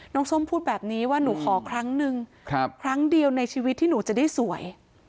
น้องส้มพูดแบบนี้ว่าหนูขอครั้งดีวในชีวิตที่หนูจะได้สวย